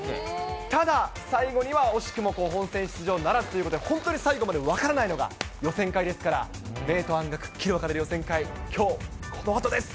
ただ、最後には惜しくも本選出場ならずということで、本当に最後まで分からないのが予選会ですから、明と暗がくっきり分かれる予選会、きょう、このあとです。